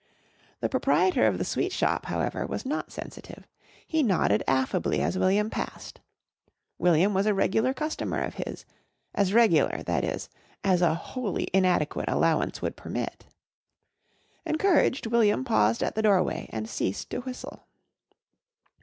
The proprietor of the sweet shop, however, was not sensitive. He nodded affably as William passed. William was a regular customer of his as regular, that is, as a wholly inadequate allowance would permit. Encouraged William paused at the doorway and ceased to whistle.